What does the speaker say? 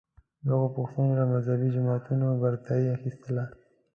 دغو پوښتنو له مذهبې جماعتونو برتري اخیستله